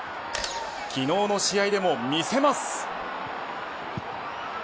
昨日の試合でも見せます。